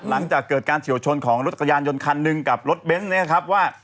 หลังจากเกิดการเฉียวชนของรถจักรยานยนต์คันหนึ่งกับรถเบนส์เนี่ยนะครับว่า